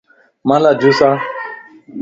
مان لا جوس آڻ